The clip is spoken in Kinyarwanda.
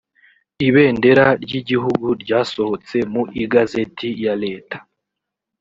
ibendera ry’igihugu ryasohotse mu igazeti ya leta